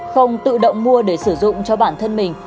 không tự động mua để sử dụng cho bản thân mình